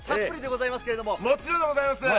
もちろんでございます。